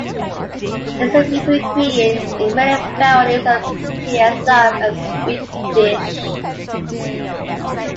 It is a vital ingredient in many varieties of "payasam", a sweet dish.